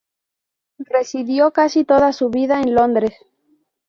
Residió casi toda su vida en Londres.